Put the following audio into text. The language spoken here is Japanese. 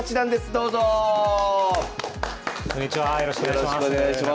よろしくお願いします。